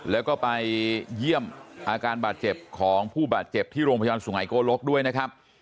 แล้วก็ไปเยี่ยมอาการบาดเจ็บของผู้บาดเจ็บที่โรงพยาบาลสุหายโกลกด้วยนะครับ